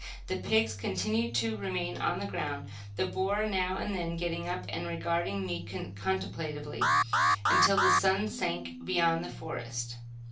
The pigs continued to remain on guard, the boar now and then getting up and regarding me contemplatively, until the sun sank behind the forest.